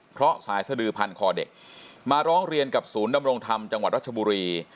เพราะสายสดือพันคอเด็กมาร้องเรียนกับศูนย์ดำรงธรรมจังหวัดรัชบุรี